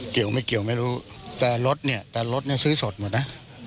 เกี่ยวไม่เกี่ยวไม่รู้แต่รถเนี่ยซื้อสดหมดนะ